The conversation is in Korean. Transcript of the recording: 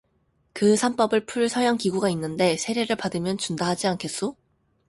그 산법을 풀 서양 기구가 있는데 세례를 받으면 준다 하지 않겠소?